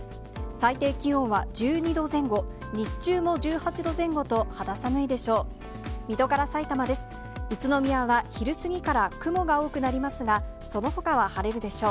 最低気温は１２度前後、日中も１８度前後と、肌寒いでしょう。